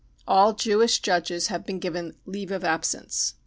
All Jewish judges have been given " leave of absence.